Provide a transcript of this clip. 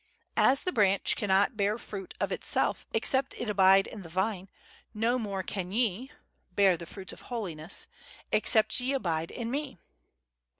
As the branch cannot bear fruit of itself, except it abide in the vine, no more can ye (bear the fruits of holiness), _except ye abide in Me.